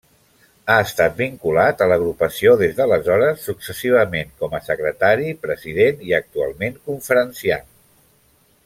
Ha estat vinculat a l'Agrupació des d'aleshores, successivament com a secretari, president i, actualment, conferenciant.